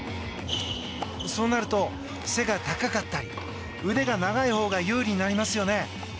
そうなると、背が高かったり腕が長いほうが有利になりますよね。